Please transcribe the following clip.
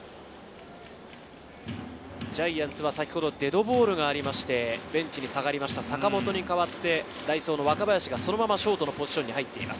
ジャイアンツは先ほどデッドボールがありまして、ベンチに下がりました坂本に代わって、代走の若林がそのままショートのポジションに入っています。